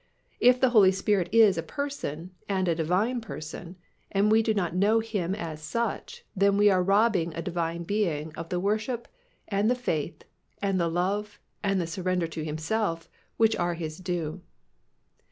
If the Holy Spirit is a person, and a Divine Person, and we do not know Him as such, then we are robbing a Divine Being of the worship and the faith and the love and the surrender to Himself which are His due.